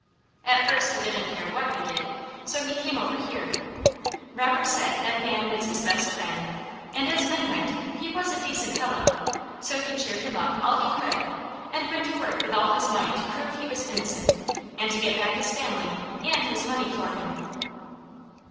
At first he didn't care what he did, so he came over here. Robert said that man was his best friend, and as men went, he was a decent fellow, so he cheered him up all he could, and went to work with all his might to prove he was innocent, and to get back his family, and his money for him.